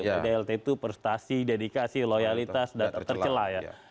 pdlt itu prestasi dedikasi loyalitas dan tercelah